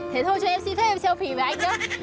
thế thôi cho em xin phép em selfie với anh nhá